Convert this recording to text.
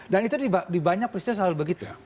dan itu di banyak peristiwa selalu begitu